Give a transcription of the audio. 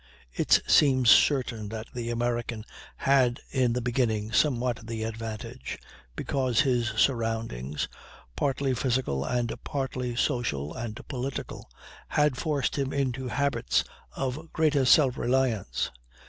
It seems certain that the American had in the beginning somewhat the advantage, because his surroundings, partly physical and partly social and political, had forced him into habits of greater self reliance.